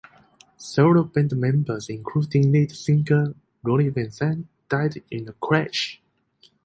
Several band members including lead singer Ronnie Van Zant, died in the crash.